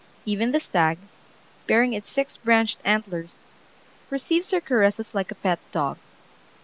Even the stag, bearing its six branched antlers, receives her caresses like a pet dog.